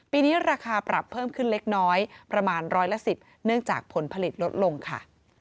ปีนี้ราคาปรับเพิ่มขึ้นเล็กน้อยประมาณร้อยละ๑๐เนื่องจากผลผลิตลดลงค่ะ